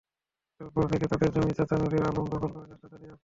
এরপর থেকে তাঁদের জমি চাচা নুরে আলম দখল করার চেষ্টা চালিয়ে আসছেন।